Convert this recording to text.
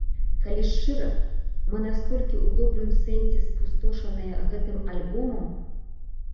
Калі шчыра, мы настолькі ў добрым сэнсе спустошаныя гэтым альбомам!